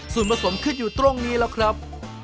ส่วนผสมขึ้นอยู่ตรงนี้แล้วครับ